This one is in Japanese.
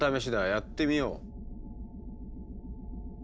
やってみよう。